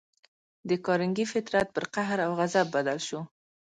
د کارنګي فطرت پر قهر او غضب بدل شو